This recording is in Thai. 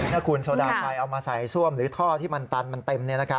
นักคุณโซดาไฟเอามาใส่หรือถ้อที่มันตันมันเต็ม